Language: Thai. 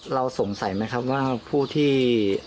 เราสงสัยไหมคะว่าผู้ที่